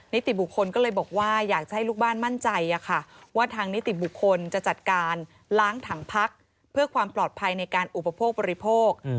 นิติบุคคลก็เลยบอกว่าอยากจะให้ลูกบ้านมั่นใจว่าทางนิติบุคคลจะจัดการล้างถังพักเพื่อความปลอดภัยในการอุปโภคบริโภค